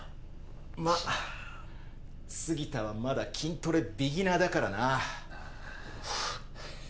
まあ杉田はまだ筋トレビギナーだからな。